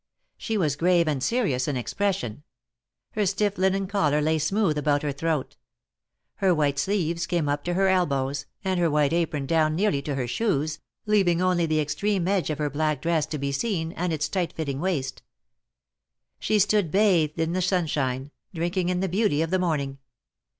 She was grave and serious in expression. Her stiff linen collar lay smooth about her throat. Her white sleeves came up to her elbows, and her white apron down nearly to her shoes, leaving only the extreme edge of her black dress to be seen, and its tight fitting waist. She stood bathed in the sunshine, drinking in the beauty of the morning.